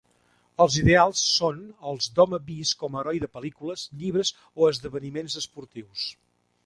Els ideals són els d'home vist com a heroi de pel·lícules, llibres o esdeveniments esportius.